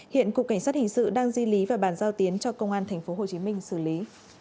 hiện cục cảnh sát hình sự đang di lý và bàn giao tiến cho công an tp hcm xử lý